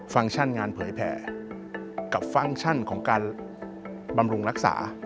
ฟังก์ชั่นงานเผยแผ่กับฟังก์ชั่นของการบำรุงรักษา